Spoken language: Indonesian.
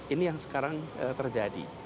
ini yang sekarang terjadi